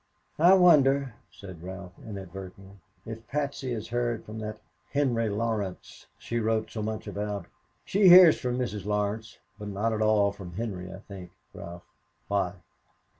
"I wonder," said Ralph inadvertently, "if Patsy has heard from that Henry Laurence she wrote so much about?" "She hears from Mrs. Laurence, but not at all from Henry, I think, Ralph. Why?